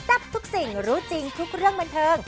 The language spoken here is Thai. ทับทุกสิ่งรู้จริงทุกเรื่องบันเทิง